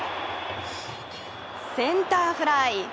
センターフライ。